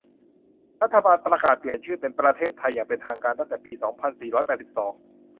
รัฐบาลประกาศเปลี่ยนชื่อเป็นประเทศไทยอย่างเป็นทางการตั้งแต่ปี สองพันสี่ร้อยแปดสิบสอง